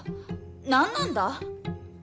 何なんだ？